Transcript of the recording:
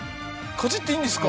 かじっていいんですか？